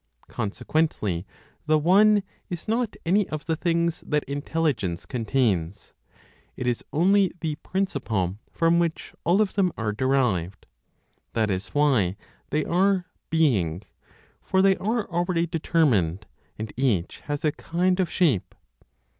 Consequently the One is not any of the things that Intelligence contains; it is only the principle from which all of them are derived. That is why they are "being," for they are already determined, and each has a kind of shape.